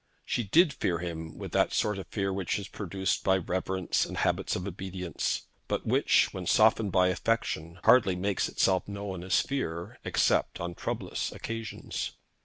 She did fear him with that sort of fear which is produced by reverence and habits of obedience, but which, when softened by affection, hardly makes itself known as fear, except on troublous occasions.